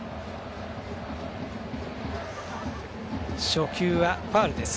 初球はファウルです。